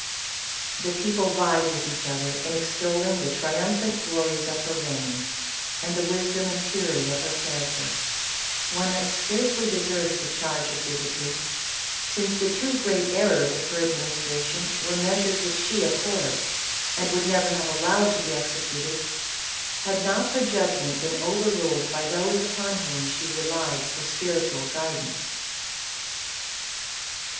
The people vied with each other in extolling the tri umphant glories of her reign, and the wisdom and pu rity of her character — one that scarcely deserves the charge of bigotry, since the two great errors of her ad ministration were measures which she abhorred, and would never have allowed to be executed, had not her judgment been overruled by those upon whom she re lied for spiritual guidance.